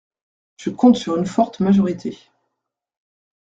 Je compte sur une forte majorité.